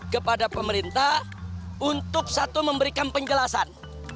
kepada pemerintah untuk satu memberikan penjelasan